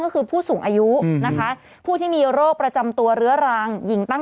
ก็คือผู้สูงอายุผู้ที่มีโรคประจำตัวเรื้อราง